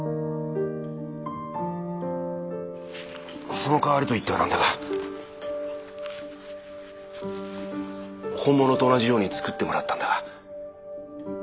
そのかわりと言っては何だが本物と同じように作ってもらったんだが。